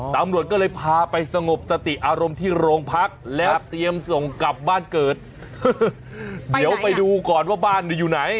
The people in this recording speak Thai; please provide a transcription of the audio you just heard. ตำรวจก็เลยพาไปสงบสติอารมณ์ที่โรงพักแล้วเตรียมส่งกลับบ้านเกิดเดี๋ยวไปดูก่อนว่าบ้านอยู่ไหน